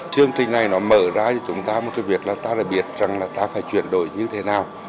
chương trình này mở ra cho chúng ta một việc là ta phải biết ta phải chuyển đổi như thế nào